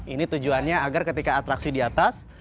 ini tujuannya agar ketika atraksi di atas